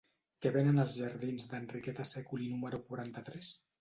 Què venen als jardins d'Enriqueta Sèculi número quaranta-tres?